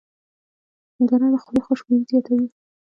هندوانه د خولې خوشبويي زیاتوي.